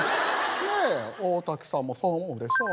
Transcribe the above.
ね大滝さんもそう思うでしょう？